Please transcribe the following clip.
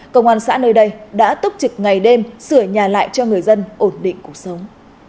công an xã nơi đây đã túc trực ngày đêm sửa nhà lại cho người dân ổn định cuộc sống